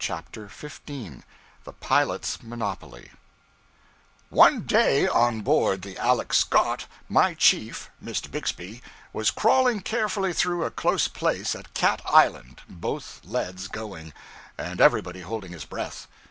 CHAPTER 15 The Pilots' Monopoly ONE day, on board the 'Aleck Scott,' my chief, Mr. Bixby, was crawling carefully through a close place at Cat Island, both leads going, and everybody holding his breath.